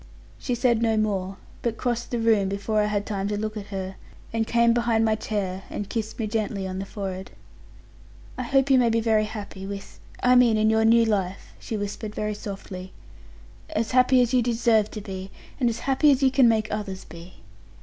She said no more; but crossed the room before I had time to look at her, and came behind my chair, and kissed me gently on the forehead. 'I hope you may be very happy, with I mean in your new life,' she whispered very softly; 'as happy as you deserve to be, and as happy as you can make others be.